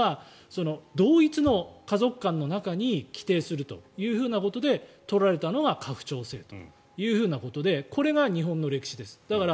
だから、あまねく徴税して徴兵するためには同一の家族観の中に規定するということで取られたのが家父長制ということでこれが日本の歴史です。